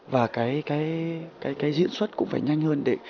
và cái diễn xuất cũng phải nhanh hơn để